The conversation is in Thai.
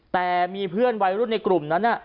แต่มีเพื่อนวัยรุ่นในกลุ่มนั้น